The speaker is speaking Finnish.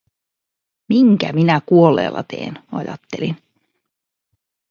Minkä minä kuolleella teen, ajattelin.